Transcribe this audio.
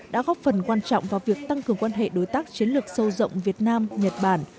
đã góp phần quan trọng vào việc tăng cường quan hệ đối tác chiến lược sâu rộng việt nam nhật bản